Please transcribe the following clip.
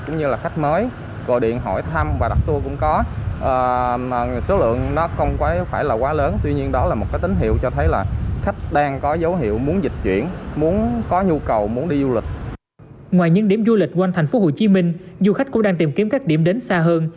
ngoài những điểm du lịch quanh thành phố hồ chí minh du khách cũng đang tìm kiếm các điểm đến xa hơn